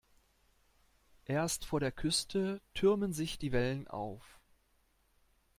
Erst vor der Küste türmen sich die Wellen auf.